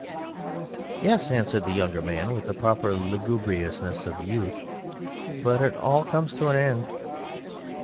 "Yes," answered the younger man with the proper lugubriousness of youth, "but it all comes to an end."